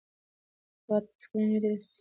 هغه اتلس کلنه نجلۍ ډېره بااستعداده وه.